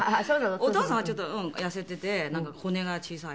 お父さんはちょっと痩せていてなんか骨が小さいで。